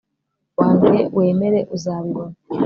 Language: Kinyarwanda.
wange wemere uzabibona